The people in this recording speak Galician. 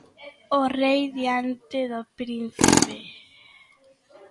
O rei diante do príncipe.